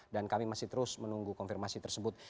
dan kami masih terus menunggu konfirmasi tersebut